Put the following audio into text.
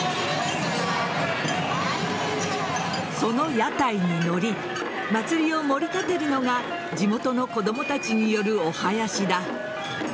その屋台に乗り祭りを盛り立てるのが地元の子供たちによるおはやしだ。